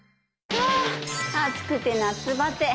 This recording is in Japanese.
ああ暑くて夏バテ。